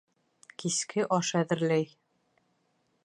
Киске аш әҙерләй.